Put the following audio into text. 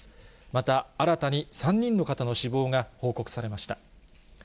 また新たに３人の方の死亡が報告されました。